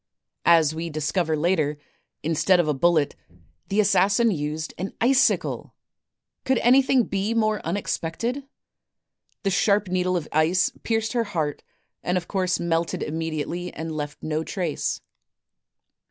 As we discover later, instead of a bullet, the assassin used an icicle! Could anything be more unexpected? The sharp needle of ice pierced her heart and of course melted immediately and left no trace.